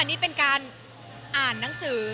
อันนี้เป็นการอ่านหนังสือ